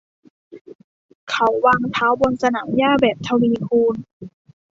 เขาวางเท้าบนสนามหญ้าแบบทวีคูณ